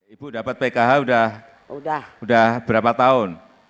ibu dapat pkh sudah berapa tahun